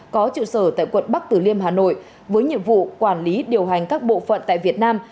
có trụ sở tại quận bắc tử liêm hà nội với nhiệm vụ quản lý điều hành các bộ phận tại việt nam